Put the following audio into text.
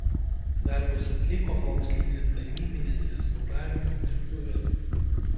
Darbus atliko mokslinės gamybinės restauravimo dirbtuvės.